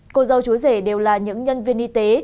cô dâu chú rể đều là những nhân viên y tế